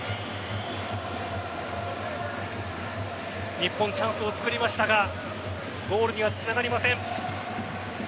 日本、チャンスを作りましたがゴールにはつながりません。